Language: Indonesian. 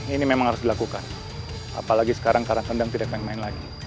ini memang harus dilakukan apalagi sekarang karangkendang tidak mau main lagi